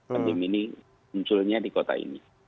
pandemi ini munculnya di kota ini